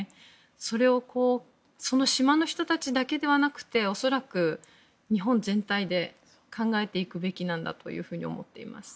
それをその島の人たちだけではなくて恐らく日本全体で考えていくべきなんだと思っています。